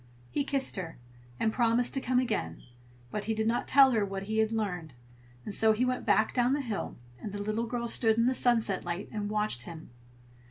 He kissed her, and promised to come again, but he did not tell her what he had learned; and so he went back down the hill, and the little girl stood in the sunset light and watched him.